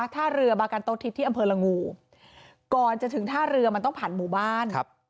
ท่าเรือบากันโต๊ทิศที่อำเภอละงูก่อนจะถึงท่าเรือมันต้องผ่านหมู่บ้าน